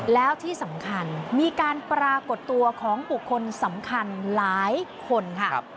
แล้วที่สำคัญมีการปรากฏตัวของบุคคลสำคัญหลายคนค่ะ